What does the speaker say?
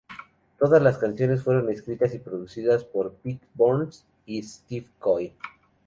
Todas las canciones fueron escritas y producidas por Pete Burns y Steve Coy.